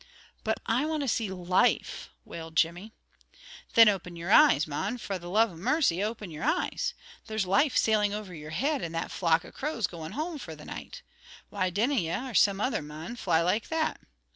"But I want to see life," wailed Jimmy. "Then open your eyes, mon, fra the love o' mercy, open your eyes! There's life sailing over your heid in that flock o' crows going home fra the night. Why dinna ye, or some other mon, fly like that?